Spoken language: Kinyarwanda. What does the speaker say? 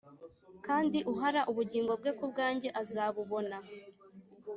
kandi uhara ubugingo bwe ku bwange azabubona